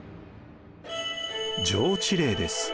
上知令です。